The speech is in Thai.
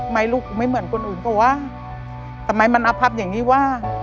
ไม่รู้ไม่เหมือนคนอื่นก็ว่าทำไมมันอภัพร์อย่างนี้ว่า